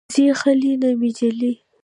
ځي خلې نه مې جلۍ